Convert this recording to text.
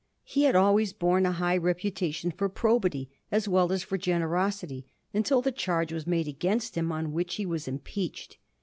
He had always borne a high reputation for probity, as well as for gene rosity, until the charge was made against him on which he was impeached.